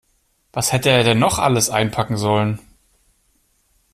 Was hätte er denn noch alles einpacken sollen?